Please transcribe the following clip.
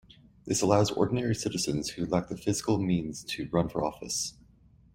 This allows ordinary citizens, who lack the fiscal means, to run for office.